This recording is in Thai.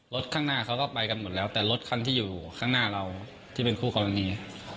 ข้างหน้าเขาก็ไปกันหมดแล้วแต่รถคันที่อยู่ข้างหน้าเราที่เป็นคู่กรณี